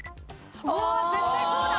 うわ絶対そうだ！